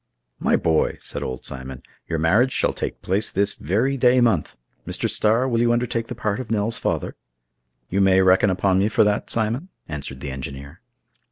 "My boy," said old Simon, "your marriage shall take place this very day month. Mr. Starr, will you undertake the part of Nell's father?" "You may reckon upon me for that, Simon," answered the engineer.